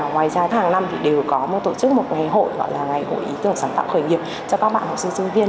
ngoài ra hàng năm thì đều có một tổ chức một ngày hội gọi là ngày hội ý tưởng sáng tạo khởi nghiệp cho các bạn học sinh sinh viên